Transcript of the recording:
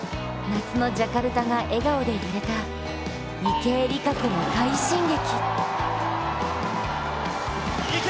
夏のジャカルタが笑顔で揺れた、池江璃花子の快進撃。